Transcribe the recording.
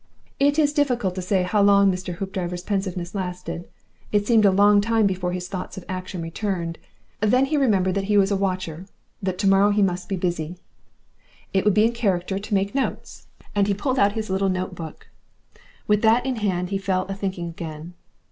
It is difficult to say how long Mr. Hoopdriver's pensiveness lasted. It seemed a long time before his thoughts of action returned. Then he remembered he was a 'watcher'; that to morrow he must be busy. It would be in character to make notes, and he pulled out his little note book. With that in hand he fell a thinking again.